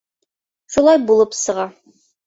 — Шулай булып сыға.